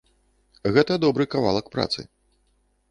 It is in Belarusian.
Гэта добры кавалак працы.